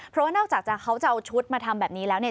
เพราะว่านอกจากเขาจะเอาชุดมาทำแบบนี้แล้วเนี่ย